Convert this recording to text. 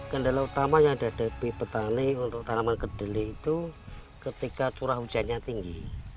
kendala utamanya dari petani untuk tanaman kedelai itu ketika curah hujannya tinggi